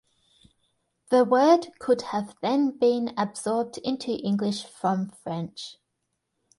The word could have then been absorbed into English from French.